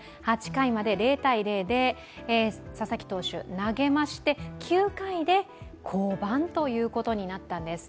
８回まで０−０で佐々木投手、投げまして、９回で降板ということになったんです。